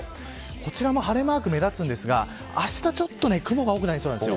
こちらも晴れマークが目立つんですがあしたは雲が多くなりそうです。